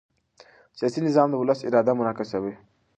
سیاسي نظام د ولس اراده منعکسوي